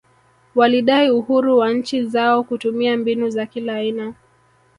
Walidai uhuru wa nchi zao kutumia mbinu za kila aina